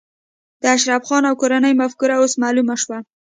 د اشرف خان او کورنۍ مفکوره اوس معلومه شوه